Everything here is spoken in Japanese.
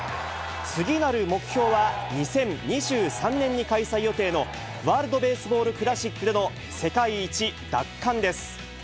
次なる目標は、２０２３年に開催予定の、ワールドベースボールクラシックでの世界一奪還です。